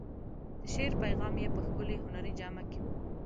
د شعر پیغام یې په ښکلې هنري جامه کې و.